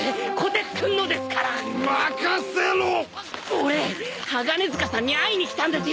俺鋼鐵塚さんに会いに来たんですよ。